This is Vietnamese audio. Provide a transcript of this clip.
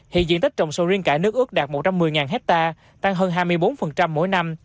hiện diện tích trồng sầu riêng cả nước ước đạt một trăm một mươi hectare tăng hơn hai mươi bốn mỗi năm